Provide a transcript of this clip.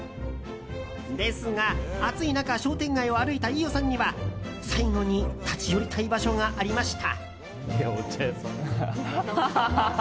ですが、暑い中商店街を歩いた飯尾さんには最後に立ち寄りたい場所がありました。